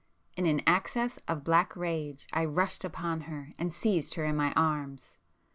In an access of black rage, I rushed upon her and seized her in my arms.